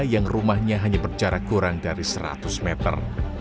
yang rumahnya hanya berjarak kurang dari seratus meter